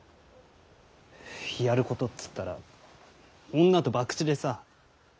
やることっつったら女と博打でさ。